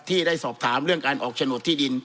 ที่ได้สอบถามเรื่องการออกโฉนดที่ดิน